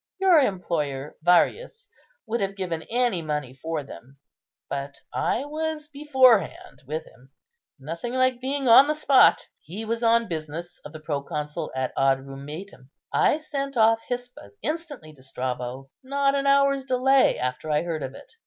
Your employer, Varius, would have given any money for them, but I was beforehand with him. Nothing like being on the spot; he was on business of the proconsul at Adrumetum. I sent off Hispa instantly to Strabo; not an hour's delay after I heard of it.